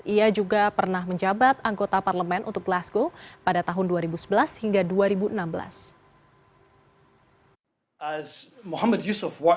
ia juga pernah menjabat anggota parlemen untuk glasgow pada tahun dua ribu sebelas hingga dua ribu enam belas